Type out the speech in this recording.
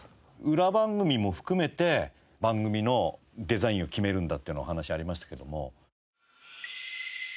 裏番組も含めて番組のデザインを決めるんだっていうお話ありましたけども。